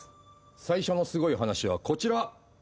最初の凄い話はこちら。